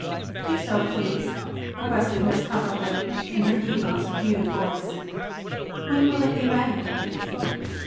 "Do so, please," requested Miss Cumberford, in her even, subdued voice. "When will it be ready?"